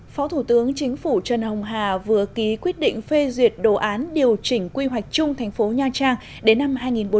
phó thủ tướng chính phủ trần hồng hà vừa ký quyết định phê duyệt đồ án điều chỉnh quy hoạch chung thành phố nha trang đến năm hai nghìn bốn mươi